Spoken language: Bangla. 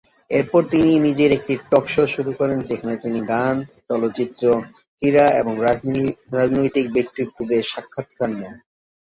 এরপর তিনি নিজের একটি টক শো শুরু করেন; যেখানে তিনি গান, চলচ্চিত্র, ক্রীড়া এবং রাজনৈতিক ব্যক্তিত্বদের সাক্ষাৎকার নেন।